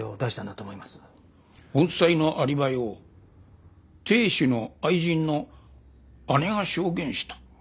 本妻のアリバイを亭主の愛人の姉が証言した。